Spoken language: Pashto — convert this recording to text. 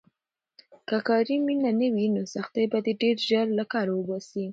که کاري مینه نه وي، نو سختۍ به دې ډېر ژر له کاره وباسي.